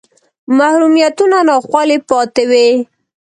محرومیتونه ناخوالې پاتې وې